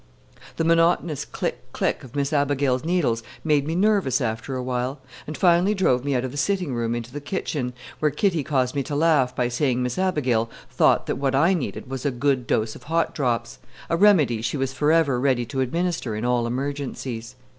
The monotonous "click click" of Miss Abigail's needles made me nervous after a while, and finally drove me out of the sitting room into the kitchen, where Kitty caused me to laugh by saying Miss Abigail thought that what I needed was "a good dose of hot drops," a remedy she was forever ready to administer in all emergencies.